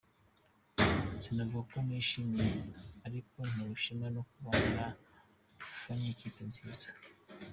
Sinavuga ko nishimye ariko ntewe ishema no kuba narafannye ikipe nziza.”